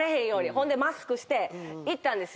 ほんでマスクして行ったんです。